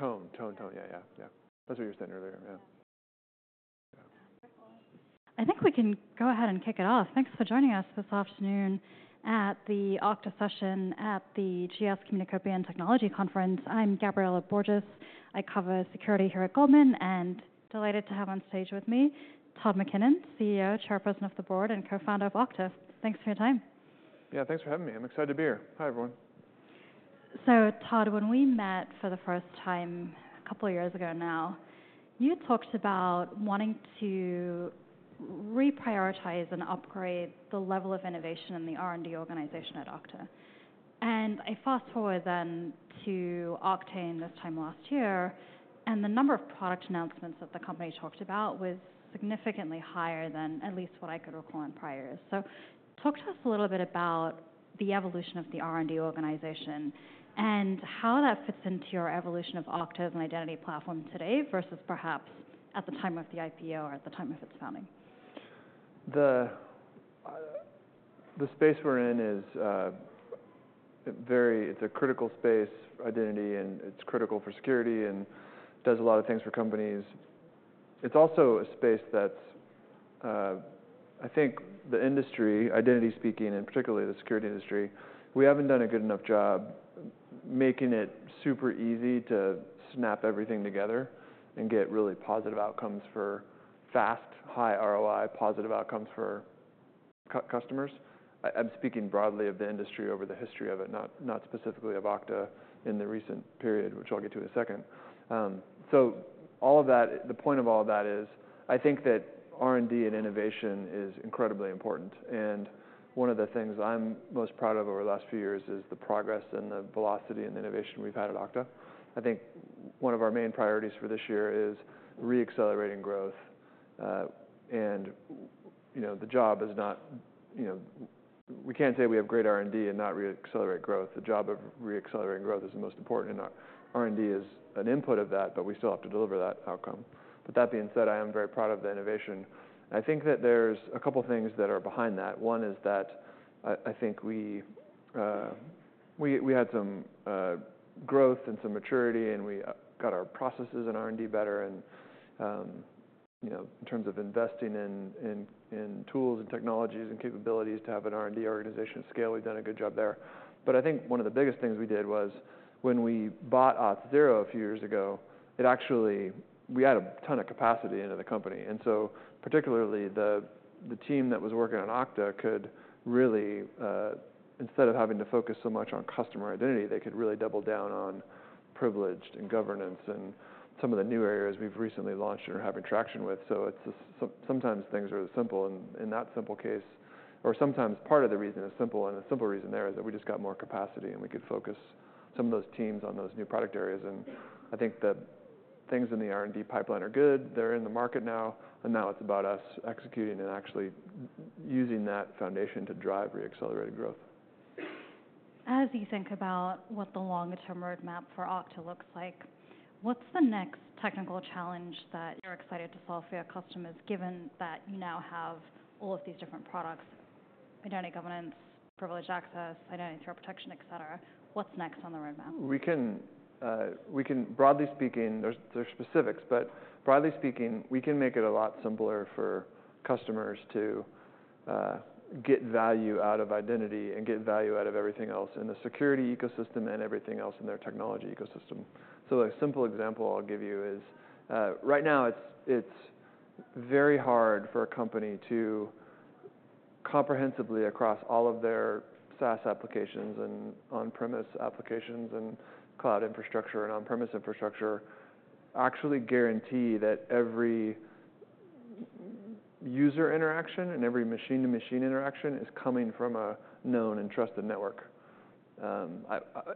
or no? Tone. Tone, tone, tone. Yeah, yeah, yeah. That's what you were saying earlier, yeah. I think we can go ahead and kick it off. Thanks for joining us this afternoon at the Okta session at the GS Communacopia + Technology Conference. I'm Gabriela Borges. I cover security here at Goldman, and delighted to have on stage with me, Todd McKinnon, CEO, Chairperson of the Board, and Co-founder of Okta. Thanks for your time. Yeah, thanks for having me. I'm excited to be here. Hi, everyone. So Todd, when we met for the first time a couple of years ago now, you talked about wanting to reprioritize and upgrade the level of innovation in the R&D organization at Okta. And I fast-forward then to Oktane this time last year, and the number of product announcements that the company talked about was significantly higher than at least what I could recall in prior. So talk to us a little bit about the evolution of the R&D organization and how that fits into your evolution of Okta as an identity platform today, versus perhaps at the time of the IPO or at the time of its founding. The space we're in is very. It's a critical space, identity, and it's critical for security and does a lot of things for companies. It's also a space that I think the industry, identity speaking, and particularly the security industry, we haven't done a good enough job making it super easy to snap everything together and get really positive outcomes for fast, high ROI, positive outcomes for customers. I'm speaking broadly of the industry over the history of it, not specifically of Okta in the recent period, which I'll get to in a second. So all of that, the point of all that is, I think that R&D and innovation is incredibly important, and one of the things I'm most proud of over the last few years is the progress and the velocity and innovation we've had at Okta. I think one of our main priorities for this year is re-accelerating growth, and you know, the job is not, you know, we can't say we have great R&D and not re-accelerate growth. The job of re-accelerating growth is the most important, and R&D is an input of that, but we still have to deliver that outcome, but that being said, I am very proud of the innovation. I think that there's a couple of things that are behind that. One is that I think we had some growth and some maturity, and we got our processes in R&D better, and you know, in terms of investing in tools and technologies and capabilities to have an R&D organization of scale, we've done a good job there. But I think one of the biggest things we did was when we bought Auth0 a few years ago. It actually, we added a ton of capacity into the company. And so, particularly the team that was working on Okta could really instead of having to focus so much on customer identity, they could really double down on privileged, and governance, and some of the new areas we've recently launched or are having traction with. So it's just sometimes things are simple, and in that simple case, or sometimes part of the reason is simple, and the simple reason there is that we just got more capacity, and we could focus some of those teams on those new product areas. I think that things in the R&D pipeline are good. They're in the market now, and now it's about us executing and actually using that foundation to drive re-accelerated growth. As you think about what the longer-term roadmap for Okta looks like, what's the next technical challenge that you're excited to solve for your customers, given that you now have all of these different products: identity governance, privileged access, identity threat protection, et cetera? What's next on the roadmap? We can, broadly speaking, there's specifics, but broadly speaking, we can make it a lot simpler for customers to get value out of identity and get value out of everything else in the security ecosystem and everything else in their technology ecosystem. So a simple example I'll give you is, right now, it's very hard for a company to comprehensively, across all of their SaaS applications and on-premise applications, and cloud infrastructure, and on-premise infrastructure, actually guarantee that every user interaction and every machine-to-machine interaction is coming from a known and trusted network.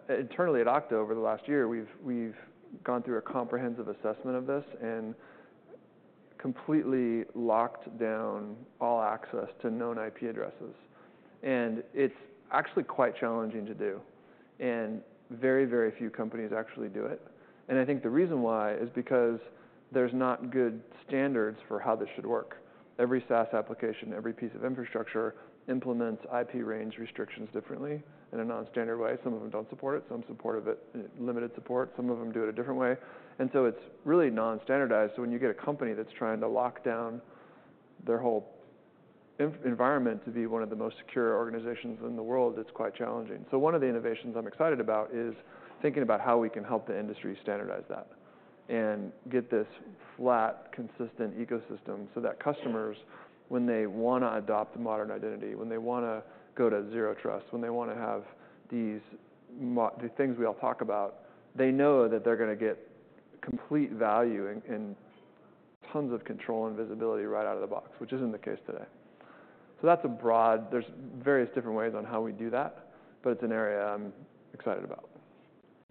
Internally at Okta, over the last year, we've gone through a comprehensive assessment of this and completely locked down all access to known IP addresses, and it's actually quite challenging to do, and very, very few companies actually do it. I think the reason why is because there's not good standards for how this should work. Every SaaS application, every piece of infrastructure implements IP range restrictions differently in a non-standard way. Some of them don't support it, some support it at limited support, some of them do it a different way. And so it's really non-standardized. So when you get a company that's trying to lock down their whole infrastructure environment to be one of the most secure organizations in the world, it's quite challenging. So one of the innovations I'm excited about is thinking about how we can help the industry standardize that and get this flat, consistent ecosystem so that customers, when they wanna adopt modern identity, when they wanna go to zero trust, when they wanna have these things we all talk about, they know that they're gonna get complete value and tons of control and visibility right out of the box, which isn't the case today. So that's a broad... There's various different ways on how we do that, but it's an area I'm excited about.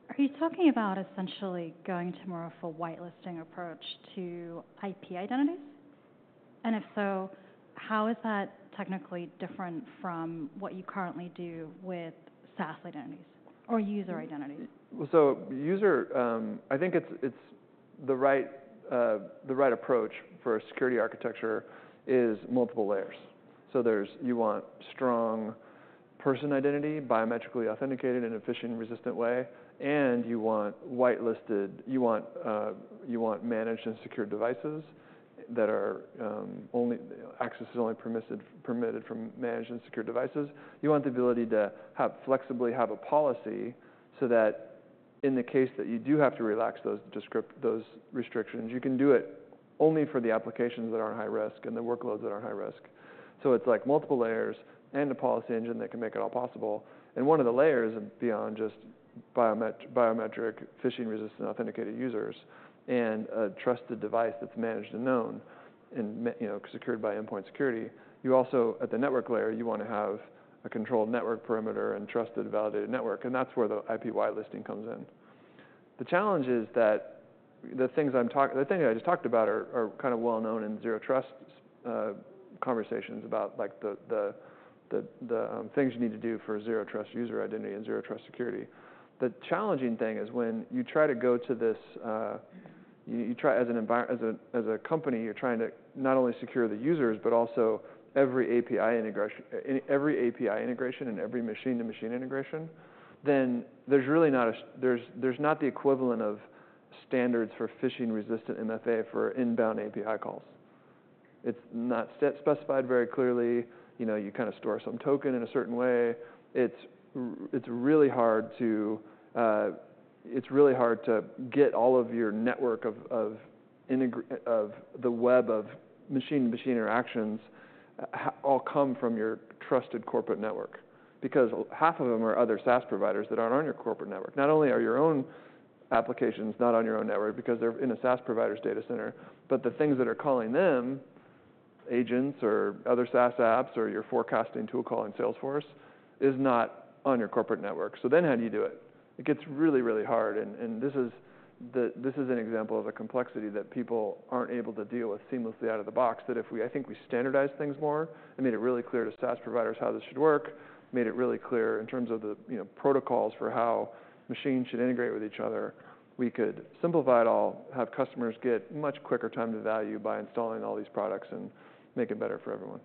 Are you talking about essentially going to more of a whitelisting approach to IP identities? And if so, how is that technically different from what you currently do with SaaS identities or user identities? Well, so user, I think it's the right approach for a security architecture is multiple layers. You want strong person identity, biometrically authenticated in a phishing-resistant way, and you want whitelisted, you want managed and secure devices. Access is only permitted from managed and secure devices. You want the ability to flexibly have a policy, so that in the case that you do have to relax those restrictions, you can do it only for the applications that are high risk and the workloads that are high risk. So it's like multiple layers and a policy engine that can make it all possible. And one of the layers beyond just biometric, phishing-resistant, authenticated users and a trusted device that's managed and known and you know, secured by endpoint security, you also, at the network layer, you wanna have a controlled network perimeter and trusted, validated network, and that's where the IP whitelisting comes in. The challenge is that the thing I just talked about are kind of well known in zero trust conversations about the things you need to do for a zero-trust user identity and zero-trust security. The challenging thing is when you try to go to this. You try as a company, you're trying to not only secure the users, but also every API integration and every machine-to-machine integration, then there's really not the equivalent of standards for phishing-resistant MFA for inbound API calls. It's not specified very clearly. You know, you kinda store some token in a certain way. It's really hard to get all of your network of the web of machine-to-machine interactions all come from your trusted corporate network. Because half of them are other SaaS providers that aren't on your corporate network. Not only are your own applications not on your own network because they're in a SaaS provider's data center, but the things that are calling them, agents or other SaaS apps or your forecasting tool calling Salesforce, is not on your corporate network. So then, how do you do it? It gets really, really hard, and this is the - this is an example of a complexity that people aren't able to deal with seamlessly out of the box. That if we - I think if we standardize things more and made it really clear to SaaS providers how this should work, made it really clear in terms of the, you know, protocols for how machines should integrate with each other, we could simplify it all, have customers get much quicker time to value by installing all these products and make it better for everyone.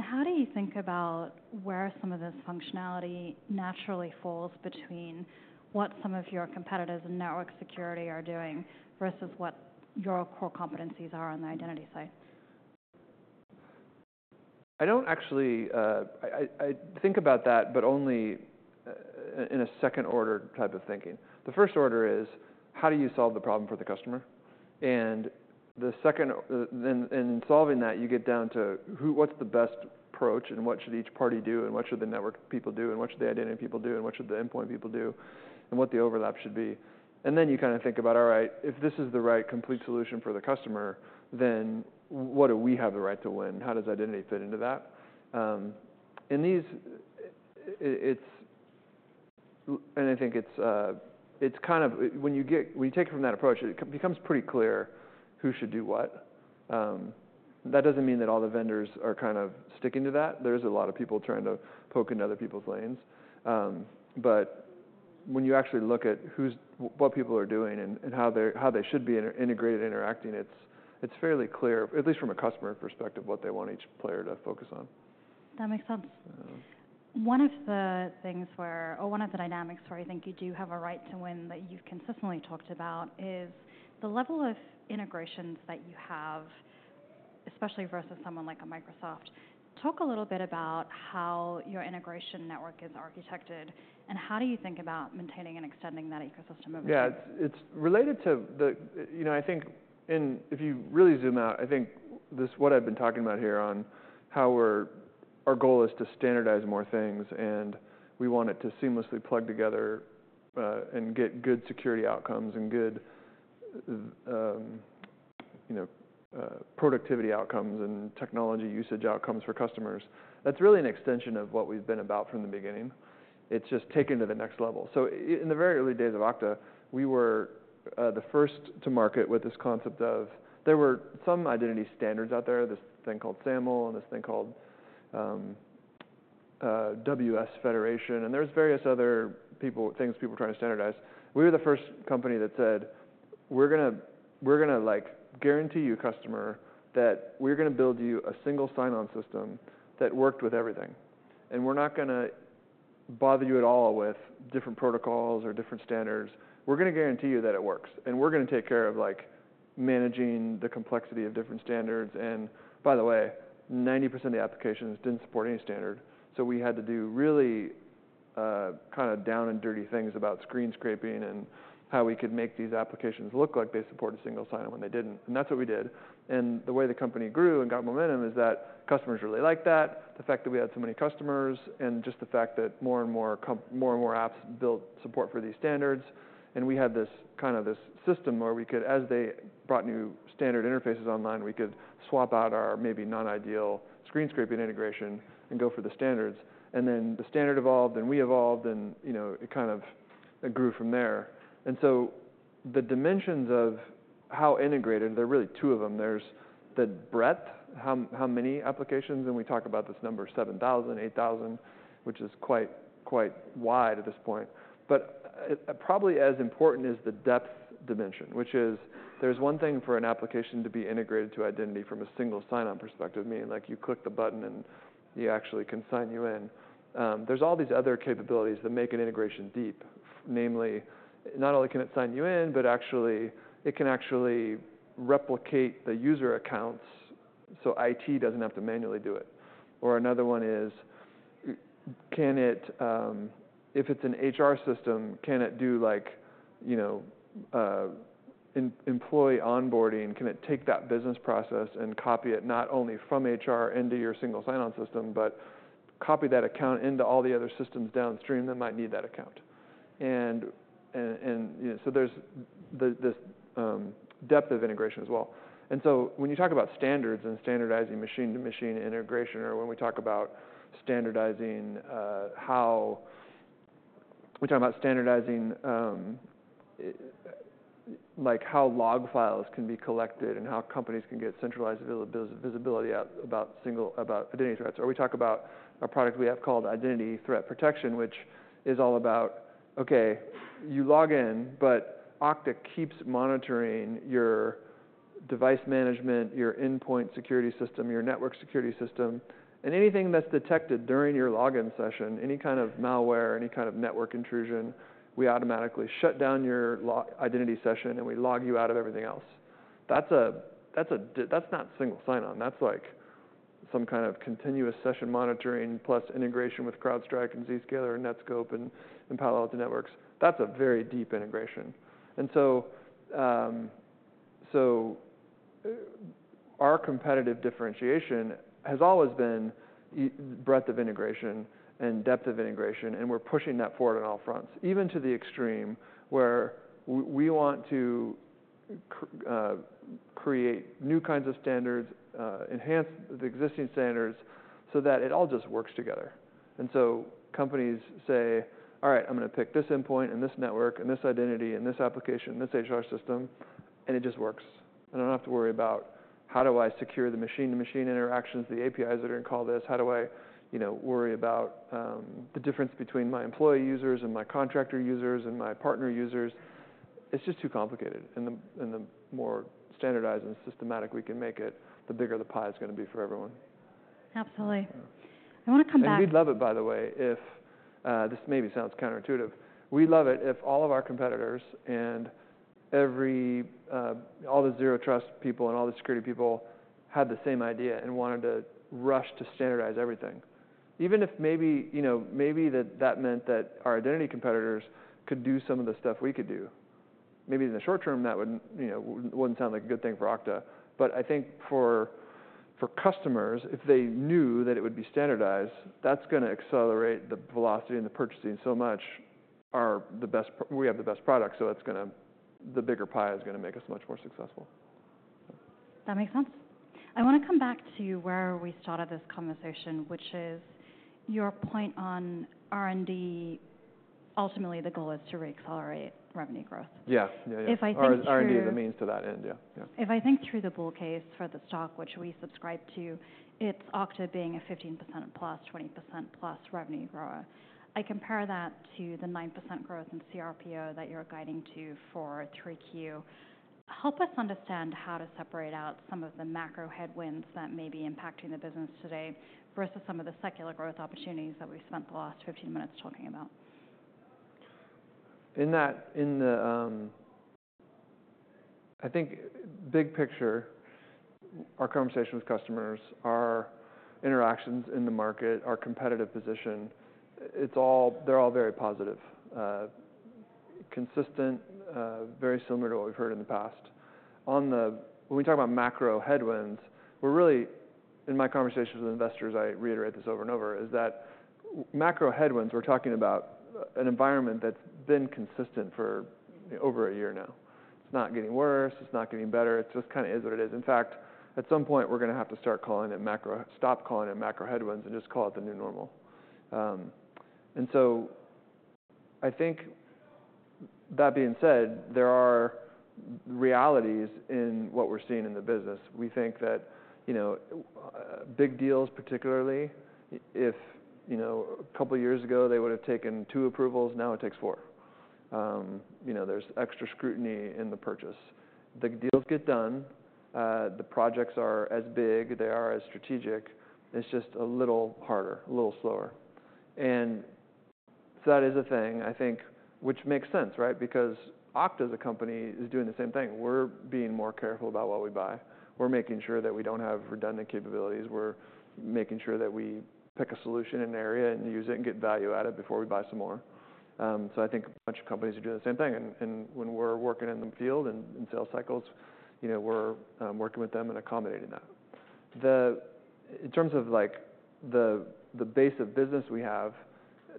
How do you think about where some of this functionality naturally falls between what some of your competitors in network security are doing versus what your core competencies are on the identity side? I don't actually think about that, but only in a second-order type of thinking. The first order is: how do you solve the problem for the customer? And the second, and solving that, you get down to what's the best approach, and what should each party do, and what should the network people do, and what should the identity people do, and what the endpoint people do, and what the overlap should be. And then you kind of think about, all right, if this is the right complete solution for the customer, then what do we have the right to win? How does identity fit into that? And I think it's kind of when you take it from that approach, it becomes pretty clear who should do what. That doesn't mean that all the vendors are kind of sticking to that. There's a lot of people trying to poke into other people's lanes. But when you actually look at what people are doing and how they're, how they should be integrated, interacting, it's fairly clear, at least from a customer perspective, what they want each player to focus on. That makes sense. Yeah. One of the dynamics where I think you do have a right to win, that you've consistently talked about, is the level of integrations that you have, especially versus someone like a Microsoft. Talk a little bit about how your integration network is architected, and how do you think about maintaining and extending that ecosystem over? Yeah. It's related to the... You know, I think, and if you really zoom out, I think this, what I've been talking about here on how we're, our goal is to standardize more things, and we want it to seamlessly plug together, and get good security outcomes and good, you know, productivity outcomes and technology usage outcomes for customers. That's really an extension of what we've been about from the beginning. It's just taken to the next level. So in the very early days of Okta, we were the first to market with this concept of... There were some identity standards out there, this thing called SAML and this thing called WS-Federation, and there was various other things people trying to standardize. We were the first company that said, "We're gonna, like, guarantee you, customer, that we're gonna build you a single sign-on system that worked with everything. And we're not gonna bother you at all with different protocols or different standards. We're gonna guarantee you that it works, and we're gonna take care of, like, managing the complexity of different standards." By the way, 90% of the applications didn't support any standard, so we had to do really, kind of down-and-dirty things about screen scraping and how we could make these applications look like they supported single sign-on when they didn't. That's what we did. The way the company grew and got momentum is that customers really liked that, the fact that we had so many customers, and just the fact that more and more apps built support for these standards. We had this kind of system where we could, as they brought new standard interfaces online, swap out our maybe not ideal screen scraping integration and go for the standards. Then the standard evolved, and we evolved, and you know, it kind of it grew from there. So the dimensions of how integrated, there are really two of them. There's the breadth, how many applications, and we talk about this number, seven thousand, eight thousand, which is quite wide at this point. But, probably as important is the depth dimension, which is, there's one thing for an application to be integrated to Identity from a single sign-on perspective, meaning, like, you click the button, and you actually can sign you in. There's all these other capabilities that make an integration deep. Namely, not only can it sign you in, but actually, it can actually replicate the user accounts, so IT doesn't have to manually do it. Or another one is, can it, if it's an HR system, can it do like, you know, employee onboarding? Can it take that business process and copy it, not only from HR into your single sign-on system, but copy that account into all the other systems downstream that might need that account? And, you know, so there's this depth of integration as well. And so when you talk about standards and standardizing machine-to-machine integration, or when we talk about standardizing how we're talking about standardizing like how log files can be collected and how companies can get centralized visibility about identity threats. Or we talk about a product we have called Identity Threat Protection, which is all about, okay, you log in, but Okta keeps monitoring your device management, your endpoint security system, your network security system, and anything that's detected during your login session, any kind of malware, any kind of network intrusion, we automatically shut down your login session, and we log you out of everything else. That's not single sign-on. That's like some kind of continuous session monitoring, plus integration with CrowdStrike and Zscaler and Netskope and Palo Alto Networks. That's a very deep integration. Our competitive differentiation has always been the breadth of integration and depth of integration, and we're pushing that forward on all fronts, even to the extreme, where we want to create new kinds of standards, enhance the existing standards, so that it all just works together. And so companies say, "All right, I'm gonna pick this endpoint and this network and this identity and this application, this HR system, and it just works. And I don't have to worry about how do I secure the machine-to-machine interactions, the APIs that are going to call this? How do I, you know, worry about the difference between my employee users and my contractor users and my partner users?" It's just too complicated, and the more standardized and systematic we can make it, the bigger the pie is gonna be for everyone. Absolutely. I wanna come back- We'd love it, by the way, if... This maybe sounds counterintuitive. We'd love it if all of our competitors and every, all the zero trust people and all the security people had the same idea and wanted to rush to standardize everything. Even if maybe, you know, maybe that, that meant that our identity competitors could do some of the stuff we could do. Maybe in the short term, that wouldn't, you know, wouldn't sound like a good thing for Okta. But I think for, for customers, if they knew that it would be standardized, that's gonna accelerate the velocity and the purchasing so much. We have the best product, so that's gonna... The bigger pie is gonna make us much more successful. That makes sense. I wanna come back to where we started this conversation, which is your point on R&D. Ultimately, the goal is to re-accelerate revenue growth. Yes. Yeah, yeah. If I think through Or R&D is a means to that end, yeah. Yeah. If I think through the bull case for the stock, which we subscribe to, it's Okta being a 15% plus, 20% plus revenue grower. I compare that to the 9% growth in CRPO that you're guiding to for 3Q. Help us understand how to separate out some of the macro headwinds that may be impacting the business today versus some of the secular growth opportunities that we've spent the last 15 minutes talking about. I think big picture, our conversation with customers, our interactions in the market, our competitive position, they're all very positive, consistent, very similar to what we've heard in the past. When we talk about macro headwinds, we're really, in my conversations with investors, I reiterate this over and over, is that macro headwinds, we're talking about an environment that's been consistent for over a year now. It's not getting worse, it's not getting better. It just kind of is what it is. In fact, at some point, we're gonna have to stop calling it macro headwinds and just call it the new normal. And so I think that being said, there are realities in what we're seeing in the business. We think that, you know, big deals, particularly if, you know, a couple of years ago, they would have taken two approvals, now it takes four. You know, there's extra scrutiny in the purchase. The deals get done, the projects are as big, they are as strategic, and it's just a little harder, a little slower. And so that is a thing, I think, which makes sense, right? Because Okta, as a company, is doing the same thing. We're being more careful about what we buy. We're making sure that we don't have redundant capabilities. We're making sure that we pick a solution in an area and use it and get value out of it before we buy some more. So I think a bunch of companies are doing the same thing, and when we're working in the field and in sales cycles, you know, we're working with them and accommodating that. In terms of, like, the base of business we have,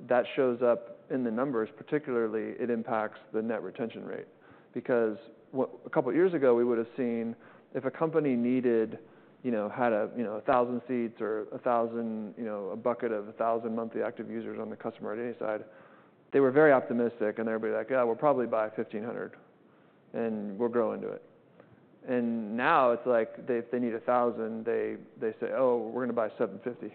that shows up in the numbers, particularly. It impacts the net retention rate. Because a couple of years ago, we would have seen if a company needed, you know, had a, you know, a thousand seats or a thousand, you know, a bucket of a thousand monthly active users on the customer identity side, they were very optimistic, and they'd be like: "Yeah, we'll probably buy fifteen hundred, and we'll grow into it."... And now it's like, they, if they need a thousand, they say: "Oh, we're gonna buy seven fifty,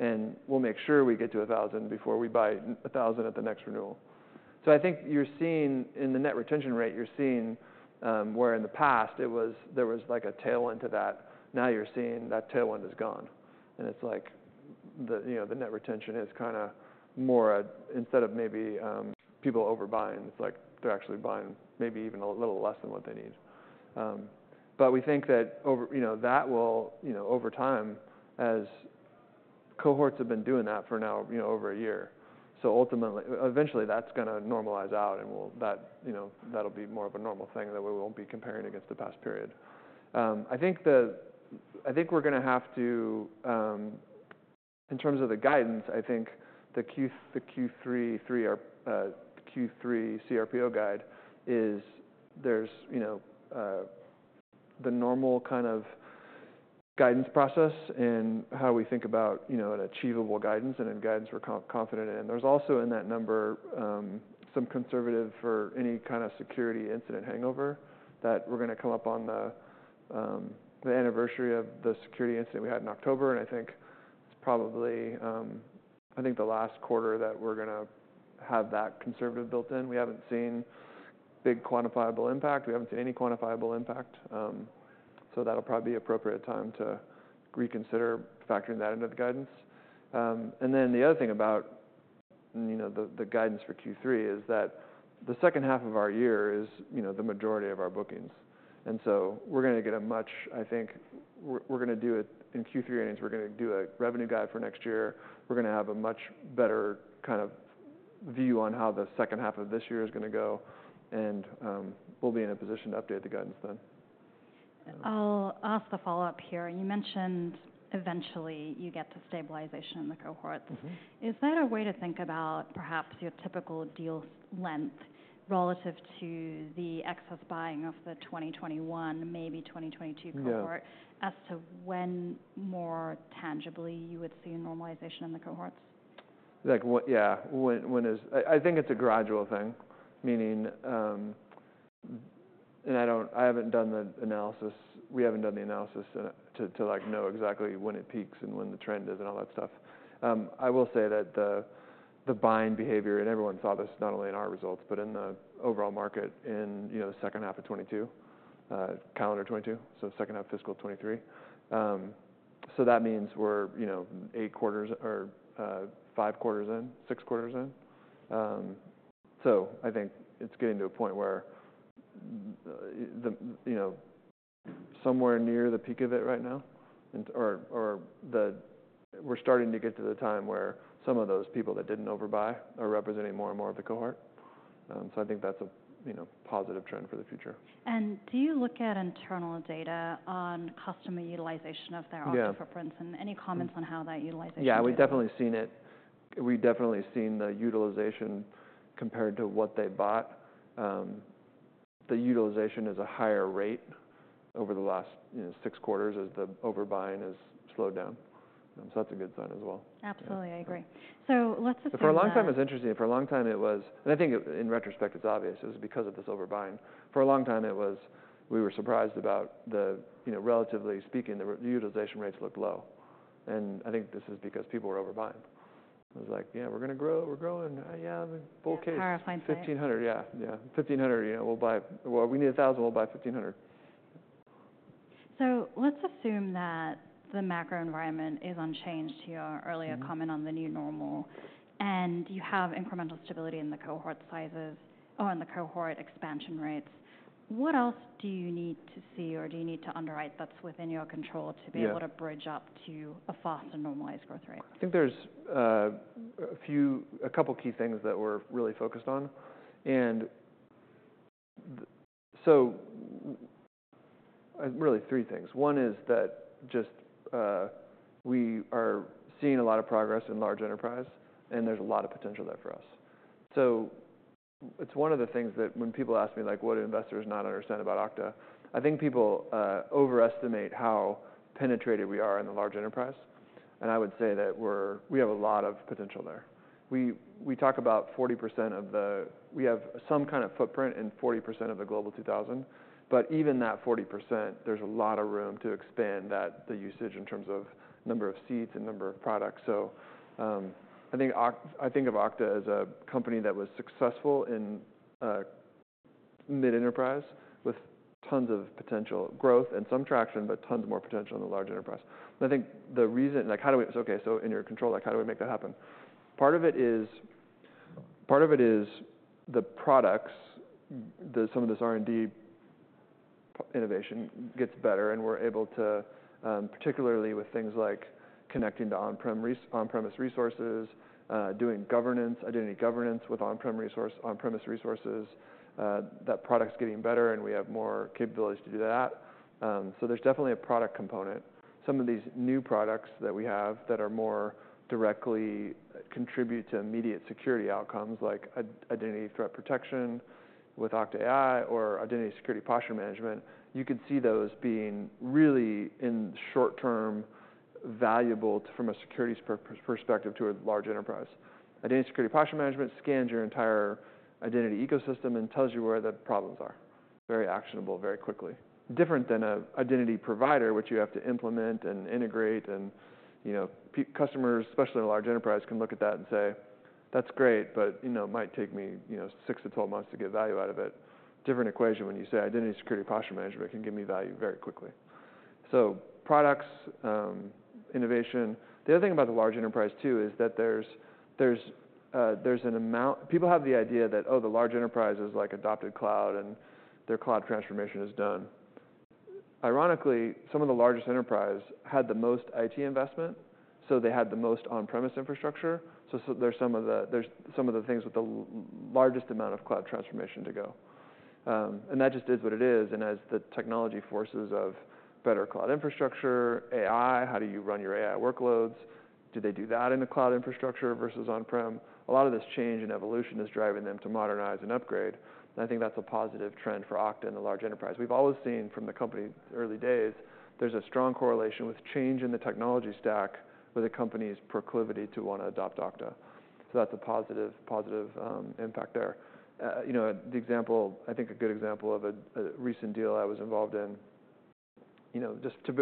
and we'll make sure we get to a thousand before we buy a thousand at the next renewal." So I think you're seeing in the net retention rate, you're seeing where in the past it was, there was like a tail end to that. Now you're seeing that tail end is gone, and it's like the, you know, the net retention is kinda more instead of maybe people overbuying, it's like they're actually buying maybe even a little less than what they need. But we think that over, you know, that will, you know, over time, as cohorts have been doing that for now, you know, over a year. So ultimately, eventually, that's gonna normalize out, and that'll be more of a normal thing that we won't be comparing against the past period. I think we're gonna have to. In terms of the guidance, I think the Q3 CRPO guide is, there's, you know, the normal kind of guidance process in how we think about, you know, an achievable guidance and a guidance we're confident in. There's also, in that number, some conservative for any kind of security incident hangover, that we're gonna come up on the anniversary of the security incident we had in October, and I think it's probably the last quarter that we're gonna have that conservative built in. We haven't seen big quantifiable impact. We haven't seen any quantifiable impact. So that'll probably be an appropriate time to reconsider factoring that into the guidance. And then the other thing about, you know, the guidance for Q3 is that the second half of our year is, you know, the majority of our bookings. And so we're gonna get a much... I think we're gonna do it in Q3, and we're gonna do a revenue guide for next year. We're gonna have a much better kind of view on how the second half of this year is gonna go, and we'll be in a position to update the guidance then. I'll ask the follow-up here. You mentioned eventually you get to stabilization in the cohorts. Mm-hmm. Is that a way to think about perhaps your typical deals length relative to the excess buying of the 2021, maybe 2022 cohort? Yeah As to when more tangibly you would see a normalization in the cohorts? Like what? Yeah, when is I think it's a gradual thing, meaning, and I haven't done the analysis, we haven't done the analysis to like know exactly when it peaks and when the trend is and all that stuff. I will say that the buying behavior, and everyone saw this, not only in our results, but in the overall market, in you know the second half of 2022, calendar 2022, so second half fiscal 2023. So that means we're you know eight quarters or five quarters in, six quarters in. So I think it's getting to a point where you know somewhere near the peak of it right now, and or or the we're starting to get to the time where some of those people that didn't overbuy are representing more and more of the cohort. I think that's a, you know, positive trend for the future. Do you look at internal data on customer utilization of their- Yeah Okta footprints, and any comments on how that utilization Yeah, we've definitely seen it. We've definitely seen the utilization compared to what they bought. The utilization is a higher rate over the last, you know, six quarters as the overbuying has slowed down, and so that's a good sign as well. Absolutely, I agree. So let's assume that- For a long time, it's interesting. For a long time, it was... And I think in retrospect, it's obvious it was because of this overbuying. For a long time, it was we were surprised about the, you know, relatively speaking, the utilization rates looked low, and I think this is because people were overbuying. It was like, "Yeah, we're gonna grow. We're growing. yeah, bull case- PowerPoint slide. Fifteen hundred. Yeah, yeah. Fifteen hundred, you know, we'll buy... Well, we need a thousand, we'll buy fifteen hundred. So, let's assume that the macro environment is unchanged to your earlier- Mm comment on the new normal, and you have incremental stability in the cohort sizes, or in the cohort expansion rates. What else do you need to see or do you need to underwrite that's within your control? Yeah to be able to bridge up to a faster normalized growth rate? I think there's a few, a couple key things that we're really focused on, and so, really, three things. One is that just we are seeing a lot of progress in large enterprise, and there's a lot of potential there for us. So it's one of the things that when people ask me, like, what do investors not understand about Okta? I think people overestimate how penetrated we are in the large enterprise, and I would say that we're we have a lot of potential there. We talk about 40% of the... We have some kind of footprint in 40% of the Global 2000, but even that 40%, there's a lot of room to expand that, the usage in terms of number of seats and number of products. So, I think of Okta as a company that was successful in mid-enterprise with tons of potential growth and some traction, but tons more potential in the large enterprise. And I think the reason, like, how do we... Okay, so in your control, like, how do we make that happen? Part of it is, part of it is the products. Some of this R&D innovation gets better, and we're able to particularly with things like connecting to on-prem resources, doing governance, Identity Governance with on-prem resources, that product's getting better, and we have more capabilities to do that. So there's definitely a product component. Some of these new products that we have that are more directly contribute to immediate security outcomes, like Identity Threat Protection with Okta AI or Identity Security Posture Management. You could see those being really, in the short term, valuable from a security's perspective to a large enterprise. Identity Security Posture Management scans your entire identity ecosystem and tells you where the problems are... very actionable, very quickly. Different than a identity provider, which you have to implement and integrate and, you know, customers, especially in a large enterprise, can look at that and say, "That's great, but, you know, it might take me, you know, six to 12 months to get value out of it." Different equation when you say, "Identity Security Posture Management can give me value very quickly." So products, innovation. The other thing about the large enterprise, too, is that there's an amount... People have the idea that, oh, the large enterprise has, like, adopted cloud, and their cloud transformation is done. Ironically, some of the largest enterprise had the most IT investment, so they had the most on-premise infrastructure, so there's some of the things with the largest amount of cloud transformation to go. And that just is what it is, and as the technology forces of better cloud infrastructure, AI, how do you run your AI workloads, do they do that in a cloud infrastructure versus on-prem? A lot of this change and evolution is driving them to modernize and upgrade, and I think that's a positive trend for Okta and the large enterprise. We've always seen from the company's early days, there's a strong correlation with change in the technology stack with a company's proclivity to wanna adopt Okta. So that's a positive impact there. You know, the example, I think a good example of a recent deal I was involved in, you know, just to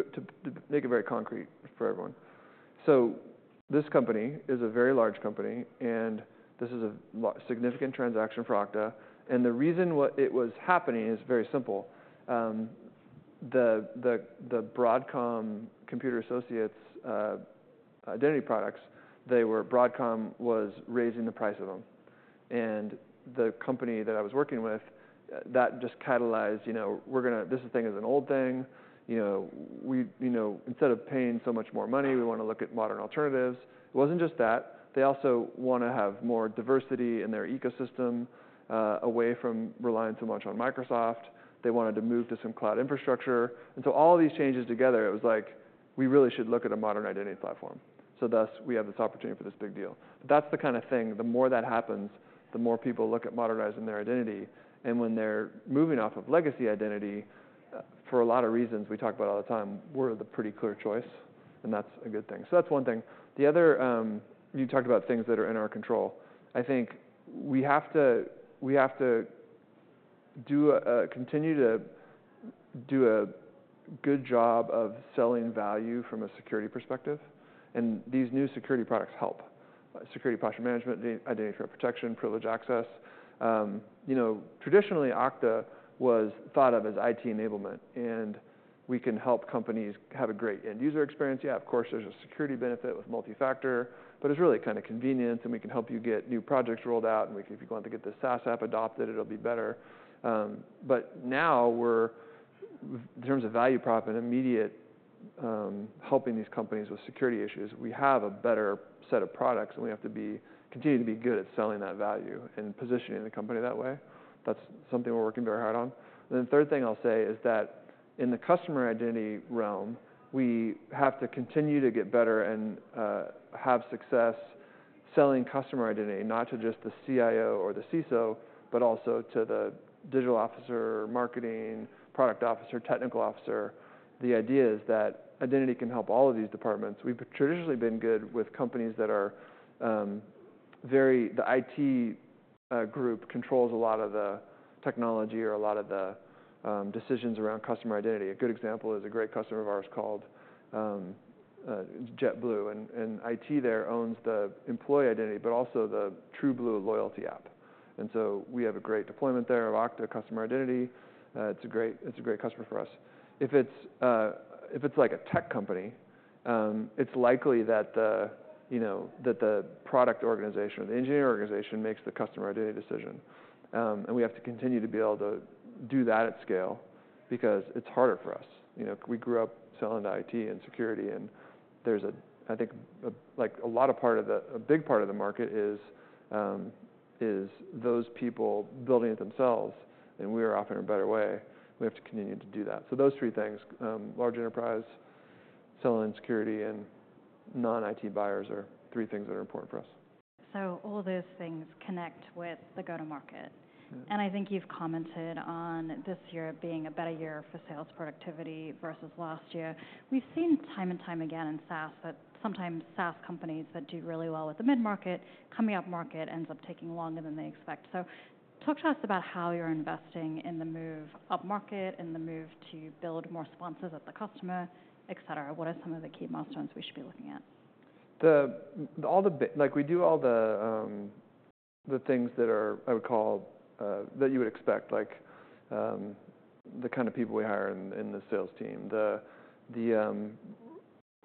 make it very concrete for everyone. This company is a very large company, and this is a significant transaction for Okta. The reason why it was happening is very simple. The Broadcom Computer Associates identity products, they were, Broadcom was raising the price of them. The company that I was working with, that just catalyzed, you know, we're gonna... This thing is an old thing. You know, we, you know, instead of paying so much more money, we wanna look at modern alternatives. It wasn't just that. They also wanna have more diversity in their ecosystem, away from relying so much on Microsoft. They wanted to move to some cloud infrastructure. And so all of these changes together, it was like, we really should look at a modern identity platform. So thus, we have this opportunity for this big deal. That's the kind of thing, the more that happens, the more people look at modernizing their identity. And when they're moving off of legacy identity, for a lot of reasons we talk about all the time, we're the pretty clear choice, and that's a good thing. So that's one thing. The other, you talked about things that are in our control. I think we have to continue to do a good job of selling value from a security perspective, and these new security products help. Security posture management, identity and protection, privileged access. You know, traditionally, Okta was thought of as IT enablement, and we can help companies have a great end user experience. Yeah, of course, there's a security benefit with multi-factor, but it's really kinda convenient, and we can help you get new projects rolled out, and we can... If you're going to get the SaaS app adopted, it'll be better. But now we're, in terms of value prop and immediate, helping these companies with security issues, we have a better set of products, and we have to be, continue to be good at selling that value and positioning the company that way. That's something we're working very hard on. Then the third thing I'll say is that in the customer identity realm, we have to continue to get better and have success selling customer identity, not to just the CIO or the CISO, but also to the digital officer, marketing, product officer, technical officer. The idea is that identity can help all of these departments. We've traditionally been good with companies that are very. The IT group controls a lot of the technology or a lot of the decisions around customer identity. A good example is a great customer of ours called JetBlue, and IT there owns the employee identity, but also the TrueBlue loyalty app, and so we have a great deployment there of Okta customer identity. It's a great customer for us. If it's like a tech company, it's likely that the, you know, that the product organization or the engineering organization makes the customer identity decision. And we have to continue to be able to do that at scale because it's harder for us. You know, we grew up selling to IT and security, and there's, I think, like, a big part of the market is those people building it themselves, and we are offering a better way. We have to continue to do that. So those three things, large enterprise, selling security, and non-IT buyers are three things that are important for us. All those things connect with the go-to-market. Mm-hmm. I think you've commented on this year being a better year for sales productivity versus last year. We've seen time and time again in SaaS that sometimes SaaS companies that do really well with the mid-market, coming upmarket ends up taking longer than they expect. Talk to us about how you're investing in the move upmarket and the move to build more sponsors at the customer, et cetera. What are some of the key milestones we should be looking at? Like, we do all the things that are, I would call, that you would expect, like, the kind of people we hire in the sales team, the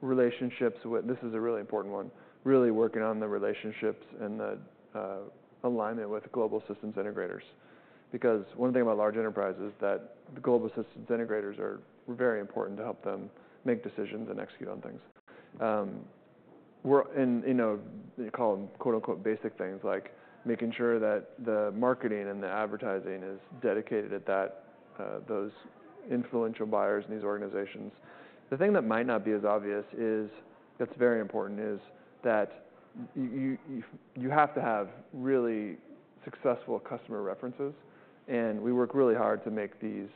relationships with. This is a really important one, really working on the relationships and the alignment with the global systems integrators. Because one thing about large enterprise is that the global systems integrators are very important to help them make decisions and execute on things. You know, you call them quote, unquote, "basic things," like making sure that the marketing and the advertising is dedicated at that, those influential buyers in these organizations. The thing that might not be as obvious is, that's very important, is that you have to have really successful customer references, and we work really hard to make these.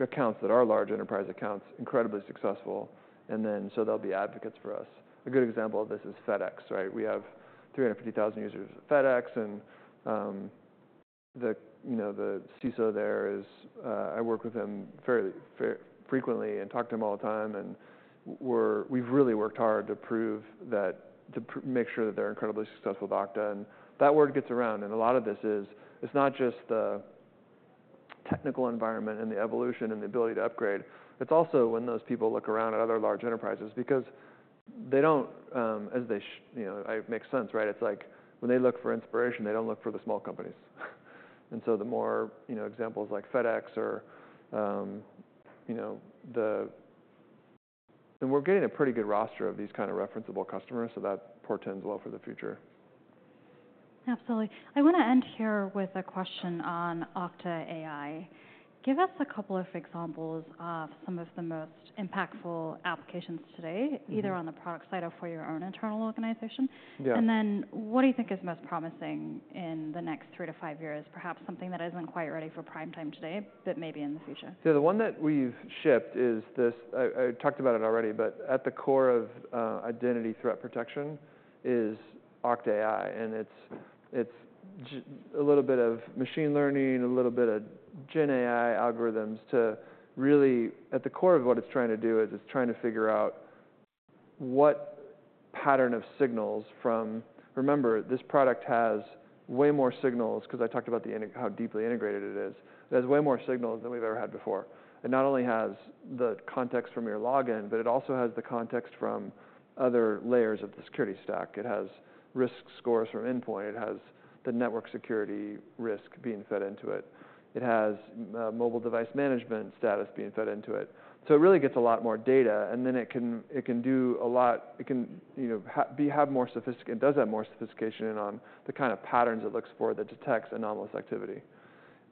accounts that are large enterprise accounts incredibly successful, and then so they'll be advocates for us. A good example of this is FedEx, right? We have 350,000 users at FedEx, and, you know, the CISO there is, I work with him very frequently and talk to him all the time, and we've really worked hard to prove that, make sure that they're incredibly successful with Okta. And that word gets around, and a lot of this is it's not just the technical environment and the evolution and the ability to upgrade, it's also when those people look around at other large enterprises. Because they don't, you know, it makes sense, right? It's like, when they look for inspiration, they don't look for the small companies. And so the more, you know, examples like FedEx or, you know. And we're getting a pretty good roster of these kind of referenceable customers, so that portends well for the future. Absolutely. I wanna end here with a question on Okta AI. Give us a couple of examples of some of the most impactful applications today- Mm-hmm. either on the product side or for your own internal organization. Yeah. And then what do you think is most promising in the next three to five years? Perhaps something that isn't quite ready for prime time today, but maybe in the future. So the one that we've shipped is this. I talked about it already, but at the core of Identity Threat Protection is Okta AI, and it's a little bit of machine learning, a little bit of Gen AI algorithms to really. At the core of what it's trying to do is it's trying to figure out what pattern of signals from. Remember, this product has way more signals, 'cause I talked about how deeply integrated it is. It has way more signals than we've ever had before. It not only has the context from your login, but it also has the context from other layers of the security stack. It has risk scores from endpoint, it has the network security risk being fed into it. It has mobile device management status being fed into it. So it really gets a lot more data, and then it can do a lot, it can, you know. It does have more sophistication on the kind of patterns it looks for that detects anomalous activity.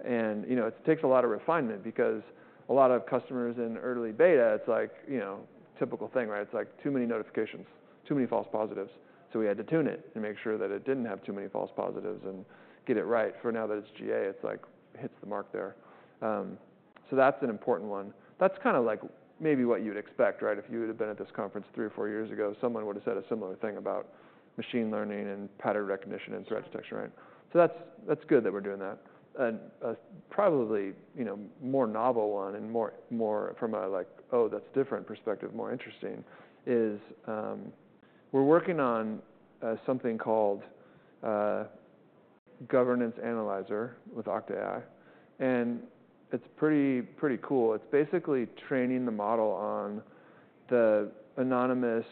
And, you know, it takes a lot of refinement, because a lot of customers in early beta, it's like, you know, typical thing, right? It's like too many notifications, too many false positives. So we had to tune it to make sure that it didn't have too many false positives and get it right, and now that it's GA, it's like, hits the mark there. So that's an important one. That's kinda like maybe what you'd expect, right? If you would've been at this conference three or four years ago, someone would've said a similar thing about machine learning and pattern recognition and threat detection, right? So that's, that's good that we're doing that. And, probably, you know, more novel one and more from a like, "Oh, that's different," perspective, more interesting, is, we're working on, something called, Governance Analyzer with Okta AI, and it's pretty cool. It's basically training the model on the anonymous,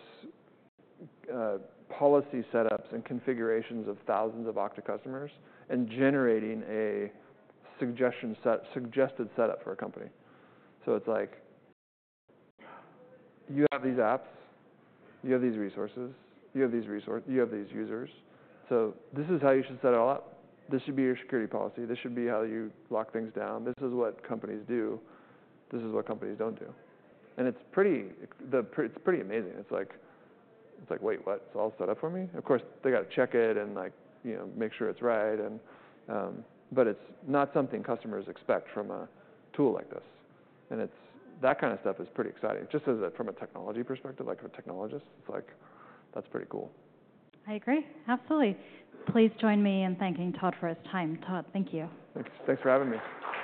policy setups and configurations of thousands of Okta customers and generating a suggested setup for a company. So it's like, you have these apps, you have these resources, you have these users, so this is how you should set it all up. This should be your security policy. This should be how you lock things down. This is what companies do, this is what companies don't do. And it's pretty amazing. It's like, it's like, "Wait, what? It's all set up for me?" Of course, they gotta check it and like, you know, make sure it's right and... But it's not something customers expect from a tool like this. And it's, that kind of stuff is pretty exciting, just as a, from a technology perspective, like for a technologist, it's like, that's pretty cool. I agree. Absolutely. Please join me in thanking Todd for his time. Todd, thank you. Thanks. Thanks for having me.